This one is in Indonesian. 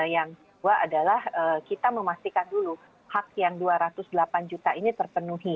yang kedua adalah kita memastikan dulu hak yang dua ratus delapan juta ini terpenuhi